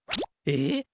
え？